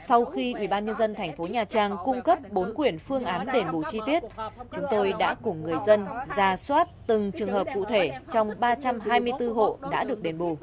sau khi ubnd thành phố nhà trang cung cấp bốn quyển phương án đền bù chi tiết chúng tôi đã cùng người dân ra soát từng trường hợp cụ thể trong ba trăm hai mươi bốn hộ đã được đền bù